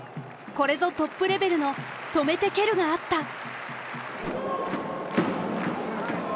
これぞトップレベルの「止めて蹴る」があった。